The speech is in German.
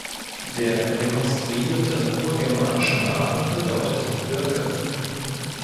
Der rekonstruierte urgermanische Name bedeutet „Birke“.